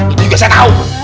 ini juga saya tahu